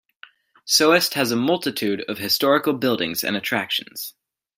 Soest has a multitude of historical buildings and attractions.